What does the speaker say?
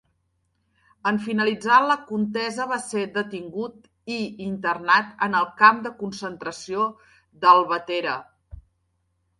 En finalitzar la contesa va ser detingut i internat en el camp de concentració d'Albatera.